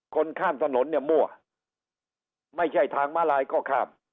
คนข้ามถนนเนี่ยมั่วไม่ใช่ทางมาลายก็ข้าม